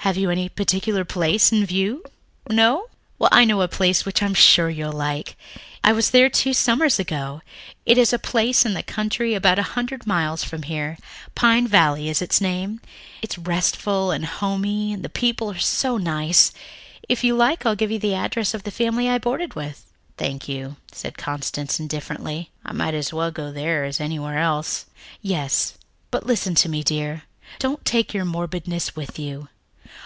"Have you any particular place in view? No? Well, I know a place which I am sure you would like. I was there two summers ago. It is a country place about a hundred miles from here. Pine Valley is its name. It's restful and homey, and the people are so nice. If you like, I'll give you the address of the family I boarded with." "Thank you," said Constance indifferently. "I might as well go there as anywhere else." "Yes, but listen to me, dear. Don't take your morbidness with you.